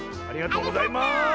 ありがとうございます。